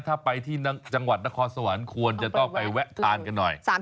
ถ้าไปที่จังหวัดนครสวรรค์ควรจะต้องไปแวะทานกันหน่อย